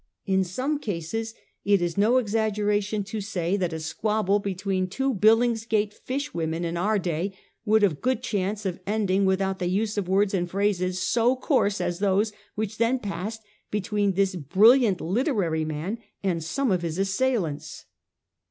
In some cases it is no exaggeration to say that a squabble between two Billingsgate fishwomen in our day would have good chance of ending without the use of words and phrases so coarse as those which then passed between this brilliant literary man and some of his assailants.